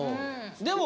でも。